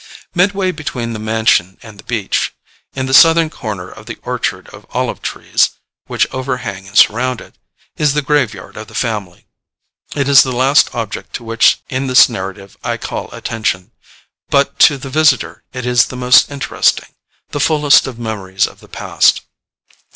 Midway between the mansion and the beach, in the southern corner of the orchard of olive trees, which overhang and surround it, is the graveyard of the family. It is the last object to which in this narrative I call attention, but to the visitor it is the most interesting, the fullest of memories of the past.